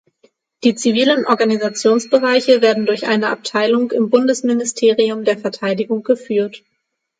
Die zivilen Organisationsbereiche werden durch eine Abteilung im Bundesministerium der Verteidigung geführt.